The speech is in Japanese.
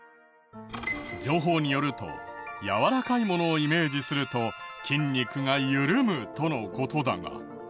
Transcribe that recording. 情報によると柔らかいものをイメージすると筋肉が緩むとの事だが。